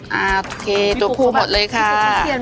โอเคตัวผู้หมดเลยค่ะ